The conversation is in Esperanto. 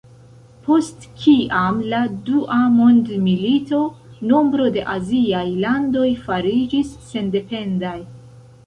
Post kiam la dua mondmilito, nombro de aziaj landoj fariĝis sendependaj.